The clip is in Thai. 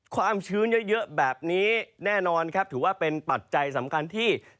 ความชื้นเยอะแบบนี้แน่นอนครับถือว่าเป็นปัจจัยสำคัญที่